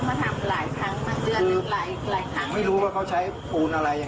ก็มองอยู่ใช่เราเขามาทำหลายครั้งมาเยือนหรือหลายหลายครั้ง